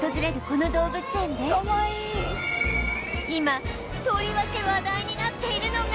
この動物園で今とりわけ話題になっているのが